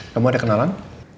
kamu ada kenalan